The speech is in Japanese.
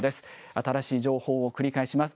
新しい情報を繰り返します。